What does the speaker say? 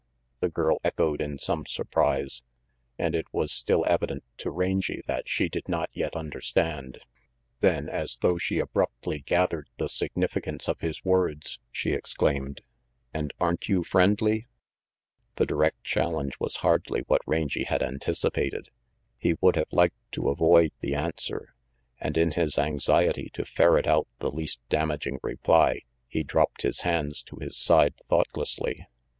the girl echoed in some surprise, and it was still evident to Rangy that she did not yet understand; then, as though she abruptly gathered the significance of his words, she exclaimed, "And aren't you friendly?" The direct challenge was hardly what Rangy had anticipated. He would have liked to avoid the answer, and in his anxiety to ferret out the least damaging reply he dropped his hands to his side thoughtlessly.